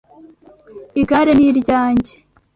Igare ni iryanjye.